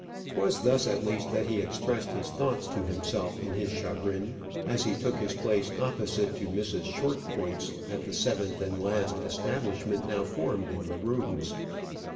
'Twas thus at least that he expressed his thoughts to himself in his chagrin, as he took his place opposite to Mrs. Shortpointz at the seventh and last establishment now formed in the rooms.